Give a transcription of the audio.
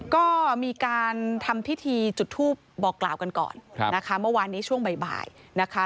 ก็มีการทำพิธีจุดทูปบอกกล่าวกันก่อนนะคะเมื่อวานนี้ช่วงบ่ายนะคะ